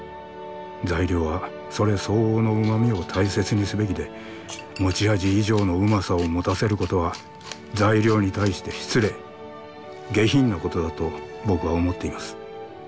材料はそれ相応の旨みを大切にすべきで持ち味以上の旨さを持たせることは材料に対して失礼下品なことだと僕は思っています。